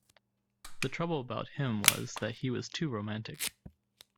The trouble about him was that he was too romantic.